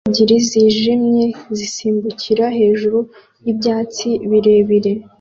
Imbwa ebyiri zijimye zisimbukirana hejuru yibyatsi birebire